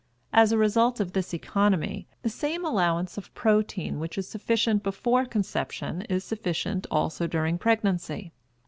As a result of this economy the same allowance of protein which is sufficient before conception is sufficient also during pregnancy.